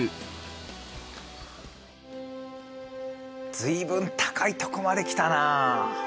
随分高いとこまで来たなあ。